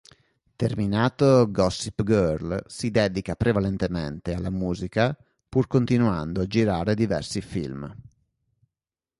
Terminato "Gossip Girl" si dedica prevalentemente alla musica, pur continuando a girare diversi film.